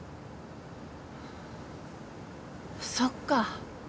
そっか。